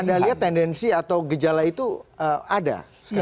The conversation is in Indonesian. anda lihat tendensi atau gejala itu ada